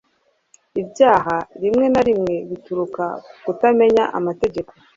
ibyaha rimwe na rimwe bituruka ku kutamenya amategeko